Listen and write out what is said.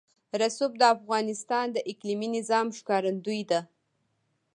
رسوب د افغانستان د اقلیمي نظام ښکارندوی ده.